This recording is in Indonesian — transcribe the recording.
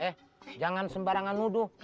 eh jangan sembarangan nuduh